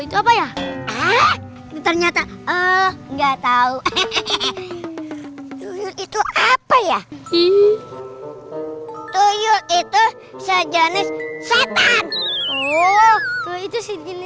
itu apa ya ternyata enggak tahu itu apa ya tuyuk itu sejenis setan itu segini